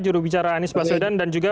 jurubicara anies baswedan dan juga